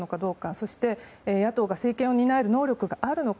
そして、野党が政権を担える能力があるのか。